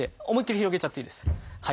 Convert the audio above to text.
思いっきり広げちゃっていいです。